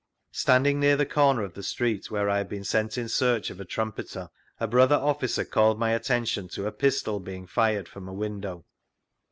Standing near the corner of the street where I had been sent in search of a Trumpeter, a brother officer called my attention to a pistol being fired from a window.